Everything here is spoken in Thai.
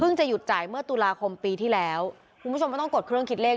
จะหยุดจ่ายเมื่อตุลาคมปีที่แล้วคุณผู้ชมไม่ต้องกดเครื่องคิดเลข